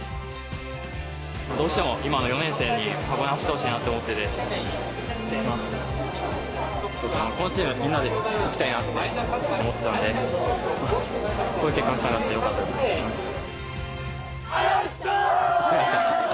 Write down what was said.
どうしても今の４年生に箱根走ってほしいなって思ってて、このチームみんなでいきたいなって思ってたんで、こういう結果につながってよかったと思います。